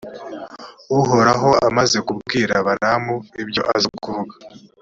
uhoraho amaze kubwira balamu ibyo aza kuvuga.